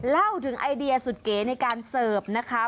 เล่าถึงไอเดียสุดเก๋ในการเสิร์ฟนะคะ